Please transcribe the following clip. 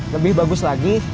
lebih bagus lagi